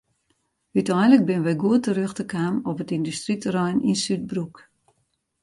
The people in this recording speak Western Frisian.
Uteinlik binne wy goed terjochte kaam op it yndustryterrein yn Súdbroek.